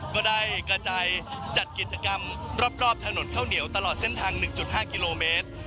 ก็ได้กระจายจัดกิจกรรมรอบถนนข้าวเหนียวตลอดเส้นทาง๑๕กิโลเมตร